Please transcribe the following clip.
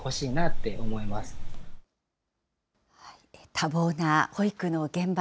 多忙な保育の現場。